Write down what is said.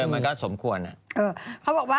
เหมือนกันสมควร